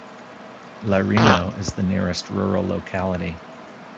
Larino is the nearest rural locality.